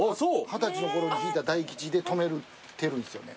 二十歳のころに引いた大吉で止めてるんですよね。